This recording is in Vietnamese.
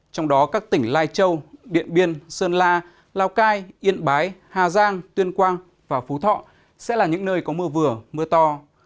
trong đó các tỉnh lai châu điện biên sơn la lào cai yên bái hà giang tuyên quang và phú thọ sẽ là những nơi có mưa vừa mưa to